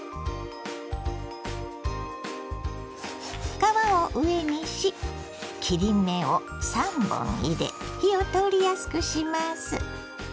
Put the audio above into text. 皮を上にし切り目を３本入れ火を通りやすくします。